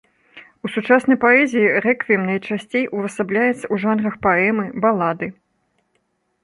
У сучаснай паэзіі рэквіем найчасцей увасабляецца ў жанрах паэмы, балады.